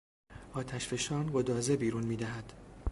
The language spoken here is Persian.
آتشفشان گدازه بیرون میدهد.